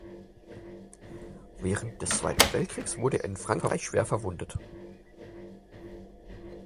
Während des Zweiten Weltkriegs wurde er in Frankreich schwer verwundet.